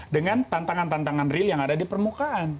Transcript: dengan tantangan tantangan real yang ada di permukaan